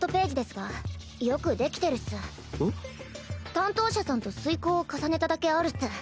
担当者さんと推敲を重ねただけあるっス。